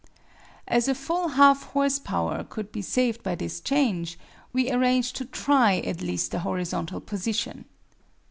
As a full half horse power could be saved by this change, we arranged to try at least the horizontal position.